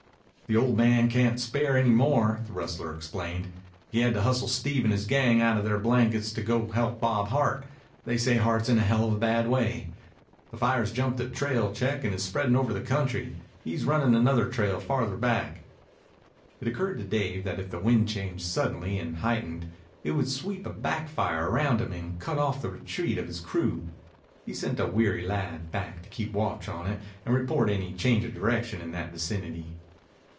"The ol' man cayn't spare any more," the rustler explained. "He had to hustle Steve and his gang outa their blankets to go help Bob Hart. They say Hart's in a heluva bad way. The fire's jumped the trail check and is spreadin' over the country. He's runnin' another trail farther back." It occurred to Dave that if the wind changed suddenly and heightened, it would sweep a back fire round him and cut off the retreat of his crew. He sent a weary lad back to keep watch on it and report any change of direction in that vicinity.